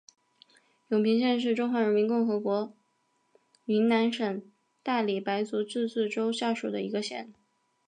永平县是中华人民共和国云南省大理白族自治州下属的一个县。